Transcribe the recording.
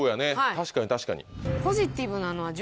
確かに確かに。